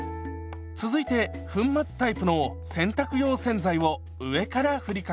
続いて粉末タイプの洗濯用洗剤を上からふりかけます。